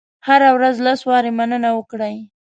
هره ورځ لس وارې مننه وکړئ.